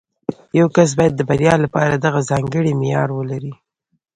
یو کس باید د بریا لپاره دغه ځانګړی معیار ولري